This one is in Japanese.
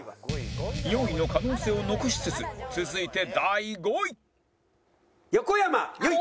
４位の可能性を残しつつ続いて第５位横山由依！